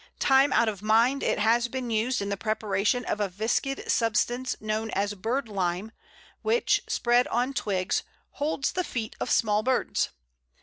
Time out of mind it has been used in the preparation of a viscid substance known as birdlime, which, spread on twigs, holds the feet of small birds.